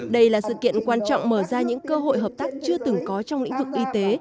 đây là sự kiện quan trọng mở ra những cơ hội hợp tác chưa từng có trong lĩnh vực y tế